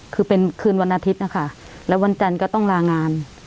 คือเป็นคืนวันอาทิตย์นะคะแล้ววันจันทร์ก็ต้องลางาน